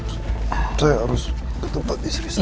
saya harus ke tempat istri saya